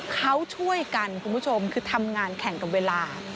เขาช่วยกันคุณผู้ชมคือทำงานแข่งกับเวลา